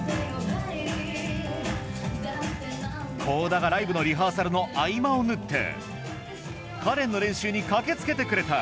倖田がライブのリハーサルの合間を縫ってカレンの練習に駆け付けてくれた